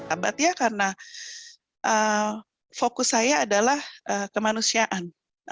abad ya karena fokus saya adalah kemanusiaan